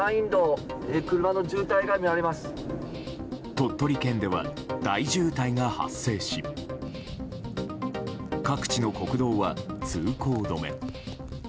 鳥取県では大渋滞が発生し各地の国道は通行止め。